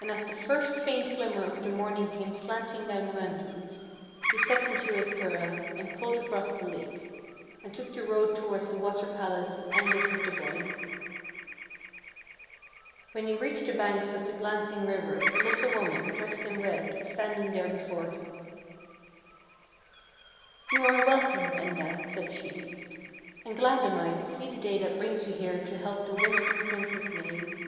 And as the first faint glimmer of the morning came slanting THE HOUSE IN THE LAKE 29 down the mountains, lie stepped into his curragh and pulled across the lake, and took the road towards the water palace of Angus of the Boyne. When he reached the banks of the glancing river a little woman, dressed in red, was standing there before him. " You are welcome, Enda," said she. " And glad am I to see the day that brings you here to help the winsome Princess Mave.